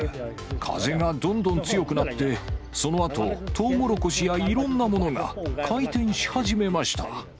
風がどんどん強くなって、そのあと、トウモロコシやいろんなものが、回転し始めました。